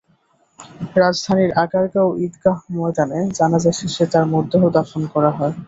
রাজধানীর আগারগাঁও ঈদগাহ ময়দানে জানাজা শেষে তাঁর মরদেহ দাফন করা হয়।